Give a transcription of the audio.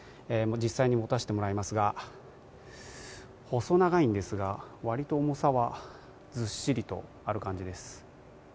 実際に持たせてもらいますが細長いんですが割と重さはずっしりとある感じです。